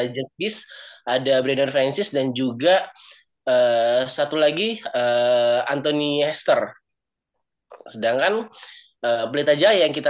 jepis ada brandon francis dan juga satu lagi anthony hester sedangkan berita jaya yang kita